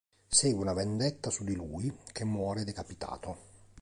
Segue una vendetta su di lui, che muore decapitato.